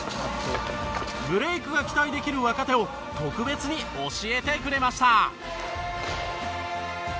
ブレークが期待できる若手を特別に教えてくれました。